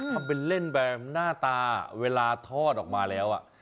ทำเป็นเล่นแบบหน้าตาเวลาทอดออกมาแล้ว